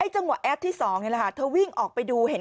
จะเกิดอะไรขึ้น